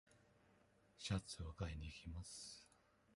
シャツを買いにいきます。